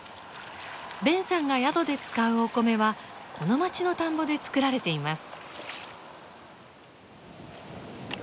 ベンさんが宿で使うお米はこの町の田んぼで作られています。